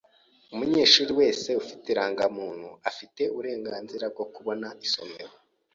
Umunyeshuri wese ufite indangamuntu afite uburenganzira bwo kubona isomero.